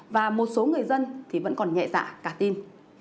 và một số người dân thì vẫn còn nhẹ dạ cả tin